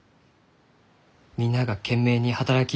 みんなが懸命に働き